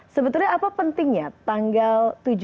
sebetulnya apa pentingnya tanggal